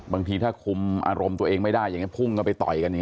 บางทีถ้าคุมอารมณ์ตัวเองไม่ได้อย่างนี้พุ่งกันไปต่อยกันอย่างนี้